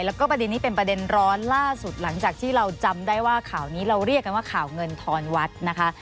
แล้วก็ประเด็นนี้เป็นประเด็นร้อนล่าสุดหลังจากที่เราจำได้ว่าข่าวนี้เราเรียกกันว่าข่าวเงินทอนวัดนะคะ